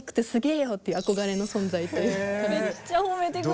めっちゃ褒めてくれる。